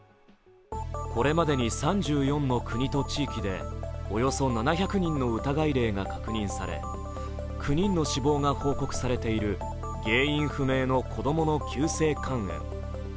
これまでに３４の国と地域でおよそ７００人の疑い例が確認され９人の死亡が報告されている原因不明の子供の急性肝炎。